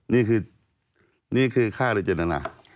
นี่คือฆ่าโดยเจ็ดหนา